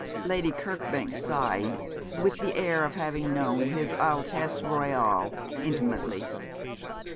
Lady Kirkbank sighed, with the air of having known his Altesse Royale intimately.